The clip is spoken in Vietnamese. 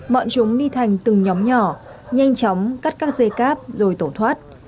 bọn chúng đi thành từng nhóm nhỏ nhanh chóng cắt các dây cáp rồi tổ thoát